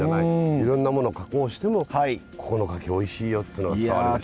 いろんなものを加工してもここの柿おいしいよっていうのが伝わりました。